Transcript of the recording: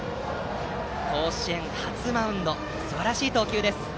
甲子園初マウンドすばらしい投球です。